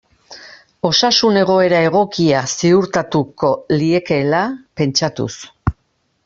Osasun egoera egokia ziurtatuko liekeela pentsatuz.